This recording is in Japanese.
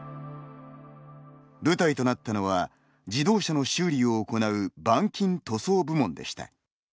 舞台となったのは自動車の修理を行う板金・塗装部門でした。